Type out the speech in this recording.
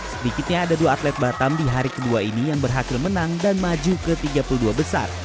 sedikitnya ada dua atlet batam di hari kedua ini yang berhasil menang dan maju ke tiga puluh dua besar